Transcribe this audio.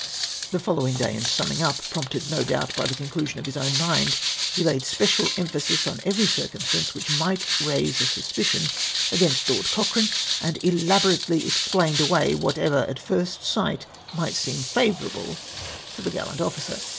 The following day, in summing up, prompted, no doubt, by the conclusion of his owai mind, he laid special empJtasis on every circum stance luli'icli might raise a suspicion against Lord CocJt rane, and elabobatelt explained away whatever at first SIGHT MIGHT SEEM FAVOURABLE to the gallant officer.